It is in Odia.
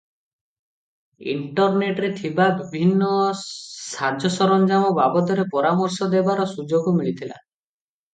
ଇଣ୍ଟରନେଟରେ ଥିବା ବିଭିନ୍ନ ସାଜସରଞ୍ଜାମ ବାବଦରେ ପରାମର୍ଶ ଦେବାର ସୁଯୋଗ ମିଳିଥିଲା ।